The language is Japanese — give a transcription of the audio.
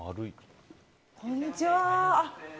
こんにちは！